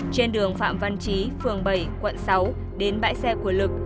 trên đường phạm văn chí phường bảy quận sáu đến bãi xe của lực